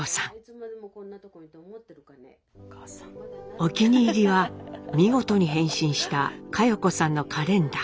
お気に入りは見事に変身した佳代子さんのカレンダー。